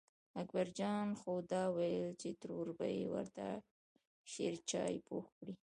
اکبر جان خو دا وېل چې ترور به یې ورته شېرچای پوخ کړي.